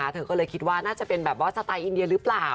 เธอก็เลยคิดว่าน่าจะเป็นแบบว่าสไตล์อินเดียหรือเปล่า